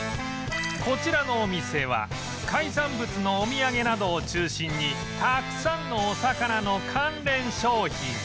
こちらのお店は海産物のお土産などを中心にたくさんのお魚の関連商品が